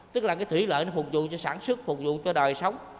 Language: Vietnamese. tức là thủy lợi phục vụ cho sản xuất phục vụ cho đời sống